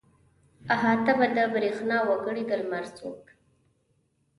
احاطه به د برېښنا وکړي د لمر څوک.